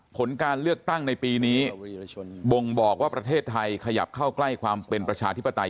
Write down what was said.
ผลการเลือกตั้งในปีนี้บ่งบอกว่าประเทศไทยขยับเข้าใกล้ความเป็นประชาธิปไตย